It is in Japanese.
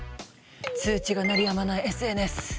通知が鳴りやまないＳＮＳ。